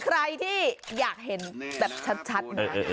ใครที่อยากเห็นชัด